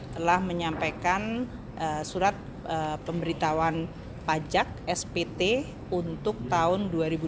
telah menyampaikan surat pemberitahuan pajak spt untuk tahun dua ribu dua puluh